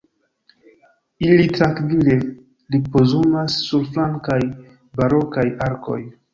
Ili trankvile ripozumas sur flankaj barokaj arkoj.